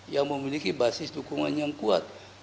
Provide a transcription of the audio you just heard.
yang memiliki basis dukungan yang kuat